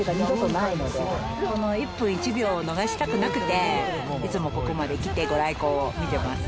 この１分１秒を逃したくなくていつもここまで来て御来光を見てます。